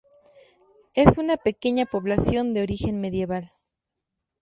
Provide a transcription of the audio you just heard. Es una pequeña población de origen medieval.